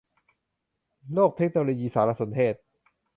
โลกเทคโนโลยีสารสนเทศ